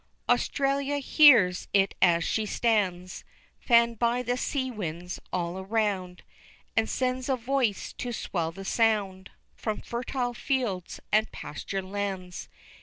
_ Australia hears it as she stands Fanned by the sea winds all around, And sends a voice to swell the sound From fertile fields and pasture lands.